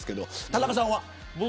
田中さんは。